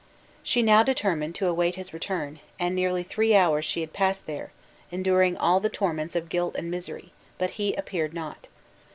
She now determined to await his return, and nearly three hours she had passed there, enduring all the torments of guilt and misery; but he appeared not.